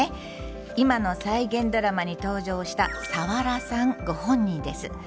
今の再現ドラマに登場したサワラさんご本人です。